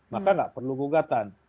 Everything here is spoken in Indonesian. maka enggak perlu gugatan